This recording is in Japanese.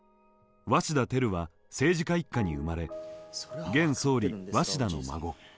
鷲田照は政治家一家に生まれ現総理鷲田の孫。